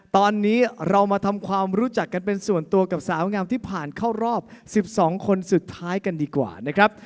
ตอนนี้เรามาทำความรู้จักกันเป็นส่วนตัวกับสาวงามที่ผ่านเข้ารอบ๑๒คนสุดท้ายกันดีกว่านะครับ